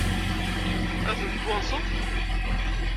Ad tent-twanseḍ?